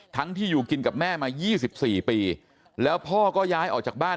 ที่อยู่กินกับแม่มา๒๔ปีแล้วพ่อก็ย้ายออกจากบ้าน